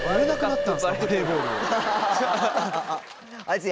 だから。